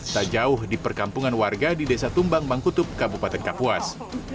sejauh di perkampungan warga di desa tumbang bangkutup kabupaten kapuas